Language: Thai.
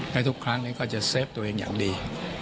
แล้วทุกครั้งนี้ก็จะเซฟตัวเองอย่างดี